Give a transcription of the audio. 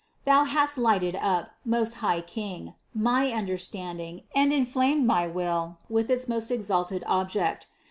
Thou hast lighted up, most high King, my understanding and inflamed my will with its most exalted object.